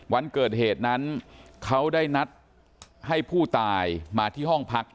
วันเกิดเหตุนั้นเขาได้นัดให้ผู้ตายมาที่ห้องพัก